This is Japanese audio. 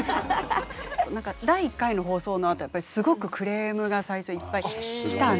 何か第１回の放送のあとはやっぱりすごくクレームが最初いっぱい来たんですって。